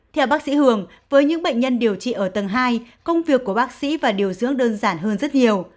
theo bác sĩ hường với những bệnh nhân điều trị ở tầng hai công việc của bác sĩ và điều dưỡng đơn giản hơn rất nhiều